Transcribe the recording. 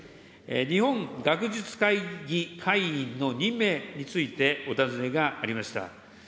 日本学術会議の任命についてお尋ねがありました。